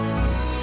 semangat ya milla